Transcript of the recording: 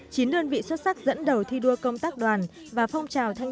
khi thủ đô năm hai nghìn một mươi chín